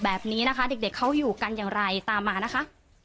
แบบนี้นะคะเด็กเขาอยู่กันอย่างไรตามมานะคะ